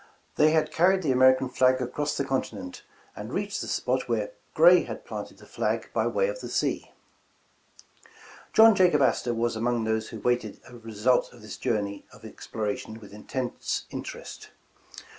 They had carried the American flag across the continent, and reached the spot where Gray had planted the flag by way of the John Jacob Astor was among those who awaited the result of this journey of exploration with intense in terest.